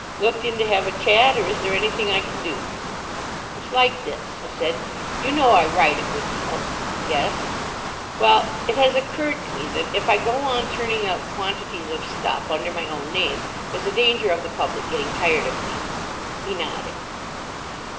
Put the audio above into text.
Looked in to have a chat, or is there anything I can do?" "It's like this," I said. "You know I write a good deal?" "Yes." "Well, it has occurred to me that, if I go on turning out quantities of stuff under my own name, there's a danger of the public getting tired of me." He nodded.